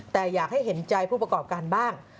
แต่อยากให้เห็นใจผู้ประกอบการบ้าง